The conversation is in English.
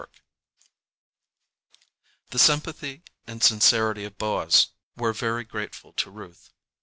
"] The sympathy and sincerity of Boaz were very grateful to Ruth.